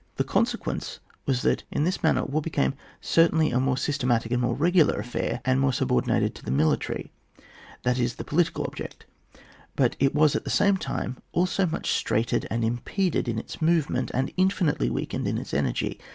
The consequence was that in this man ner war became certainly a more syste matic and more regular affair, and more subordinated to the military, that is the political object ; but it was at the same time also much straitened and impeded in its movement, and infinitely weakened in energy.